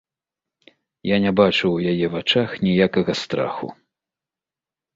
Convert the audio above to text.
Я не бачыў у яе вачах ніякага страху.